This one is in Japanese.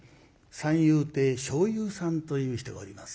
三遊亭笑遊さんという人がおります。